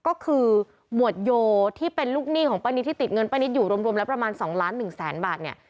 ก็คือหมวดโยที่เป็นลูกหนี้ของป้านิตที่ติดเงินป้านิตอยู่รวมแล้วประมาณ๒ล้าน๑แสนบาทเนี่ย